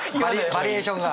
バリエーションが。